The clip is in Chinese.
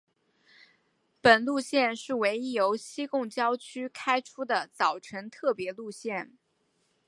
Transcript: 本路线是唯一由西贡郊区开出的早晨特别路线。